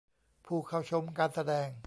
ผู้เข้าชมการแสดง